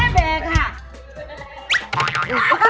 แบะค่ะ